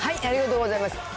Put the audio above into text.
ありがとうございます。